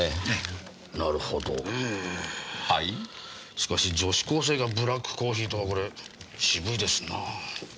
しかし女子高生がブラックコーヒーとはこれ渋いですなぁ。